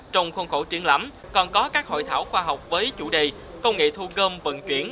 trong khuôn khổ triển lãm còn có các hội thảo khoa học với chủ đề công nghệ thu cơm vận chuyển